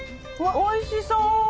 おいしそう。